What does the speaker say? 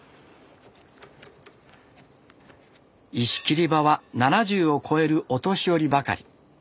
石切り場は７０を超えるお年寄りばかり。